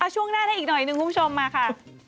ช่วงหน้าได้อีกหน่อยหนึ่งคุณผู้ชมมาค่ะ